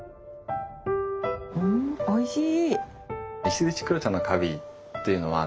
うんおいしい。